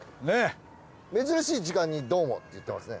珍しい時間にどうもって言ってますね。